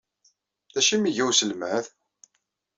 D acu ay am-iga uselmad?